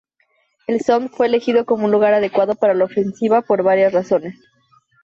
El Somme fue elegido como un lugar adecuado para la ofensiva por varias razones.